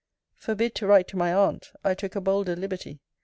Forbid to write to my aunt, I took a bolder liberty.